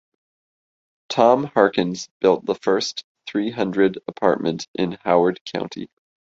Tom Harkins built the first three hundred apartment in Howard County.